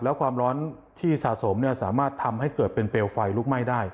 แล้วความร้อนที่สะสมสามารถทำให้เกิดเป็นเปลวไฟลุกไหม้ได้